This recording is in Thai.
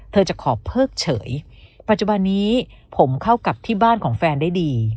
จะขอเพิกเฉยปัจจุบันนี้ผมเข้ากับที่บ้านของแฟนได้ดี